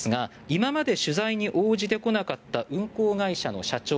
今まで取材に応じてこなかった運航会社の社長